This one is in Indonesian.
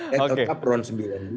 saya tetap rp sembilan puluh dua